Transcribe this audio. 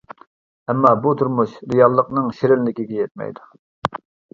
ئەمما، بۇ تۇرمۇش رېئاللىقنىڭ شېرىنلىكىگە يەتمەيدۇ.